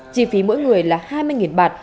chỉ phí mỗi người là hai mươi bạt